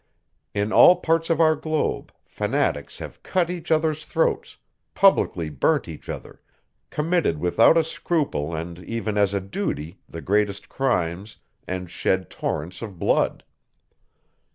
In all parts of our globe, fanatics have cut each other's throats, publicly burnt each other, committed without a scruple and even as a duty, the greatest crimes, and shed torrents of blood.